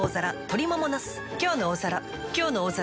「きょうの大皿」